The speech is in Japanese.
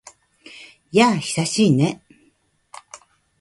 やあ、久しいね。